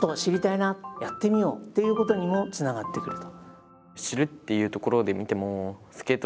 「やってみよう」っていうことにもつながってくると。